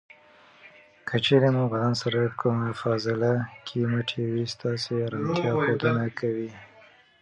که چېرې مو بدن سره کمه فاصله کې مټې وي ستاسې ارامتیا ښودنه کوي.